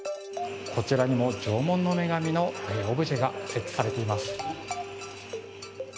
こちらにも縄文の女神のオブジェが設置されています。